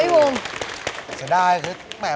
สุดท้ายสุดท้าย